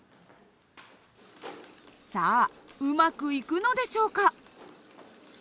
さあうまくいくのでしょうか？